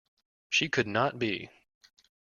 She could not be.